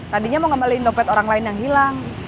tadinya mau ngembaliin dompet orang lain yang hilang